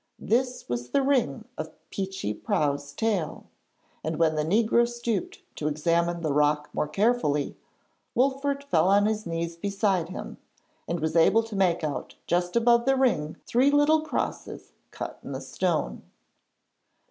This was the ring of Peechy Prauw's tale, and when the negro stooped to examine the rock more carefully, Wolfert fell on his knees beside him and was able to make out just above the ring three little crosses cut in the stone.